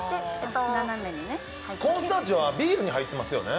コーンスターチはビールに入ってますよね。